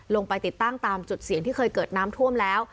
ลงไปติดตั้งตามจุดเสี่ยงที่เคยเกิดน้ำท่วมแล้ว